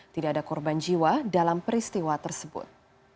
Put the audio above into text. tidak ada korban jiwa dalam peristiwa tersebut